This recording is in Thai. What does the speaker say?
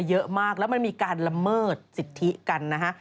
เยอะมากแล้วมันมีการละเมิดสิทธิกันนะฮะ